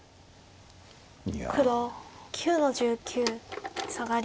黒９の十九サガリ。